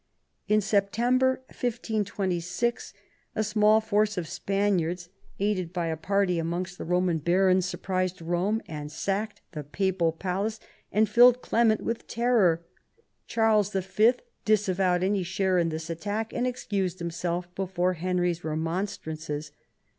In September 1526 a small force of Spaniards, aided by a party amongst the Eoman barons, surprised Eome, sacked the papal palace, and filled Clement with terror. Charles V. disavowed any share in this attack, and excused himself before Henry's remonstrances.